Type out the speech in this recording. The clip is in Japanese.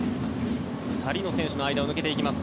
２人の選手の間を抜けていきます。